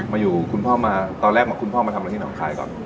มาอยู่คุณพ่อมาตอนแรกเหมือนคุณพ่อมาทำอะไรที่หนองคายก่อน